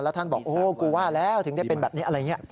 แล้วท่านบอกโอ้ผมว่าแล้วถึงได้เป็นแบบนี้อะไรเงี้ย